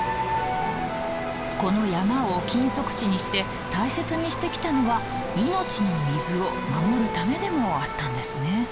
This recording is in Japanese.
この山を禁足地にして大切にしてきたのは「命の水」を守るためでもあったんですね。